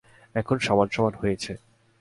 এখন সমান সমান হয়েছে।